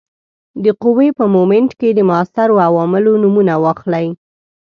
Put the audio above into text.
د قوې په مومنټ کې د موثرو عواملو نومونه واخلئ.